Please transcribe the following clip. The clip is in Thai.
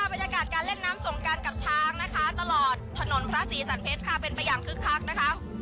บรรยากาศการเล่นน้ำสงการกับช้างนะคะตลอดถนนพระศรีสันเพชรค่ะเป็นไปอย่างคึกคักนะคะ